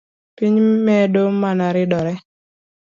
Piny medo mana ridore